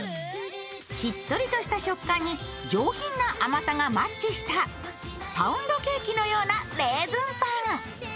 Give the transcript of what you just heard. しっとりした食感に上品な甘さがマッチしたパウンドケーキのようなレーズンパン。